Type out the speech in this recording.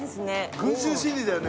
群集心理だよね。